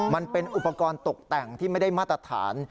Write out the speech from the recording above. มันเป็นอุปกรณ์ตกแต่งที่ไม่ได้มาตรฐาน